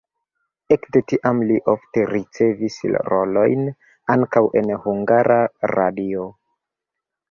Ekde tiam li ofte ricevis rolojn ankaŭ en Hungara Radio.